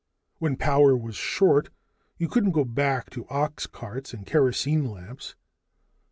When power was short, you couldn't go back to oxcarts and kerosene lamps.